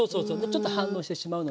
ちょっと反応してしまうの。